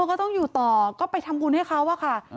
ก็ต้องอยู่ต่อก็ไปทำบุญให้เขาอะค่ะ